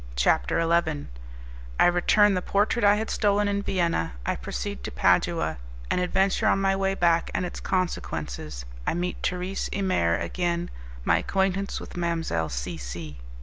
CHAPTER XI I Return the Portrait I Had Stolen in Vienna I Proceed to Padua An Adventure on My Way Back, and Its Consequences I Meet Thérèse Imer Again My Acquaintance With Mademoiselle C. C.